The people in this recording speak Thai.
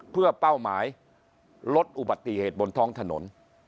เพื่อเป้าหมายลดอุบัติเหตุบนท้องถนน